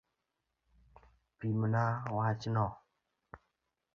Pimna wachno.